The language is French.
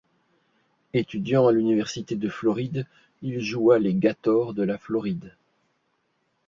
Étudiant à l'Université de Floride, il joua pour les Gators de la Floride.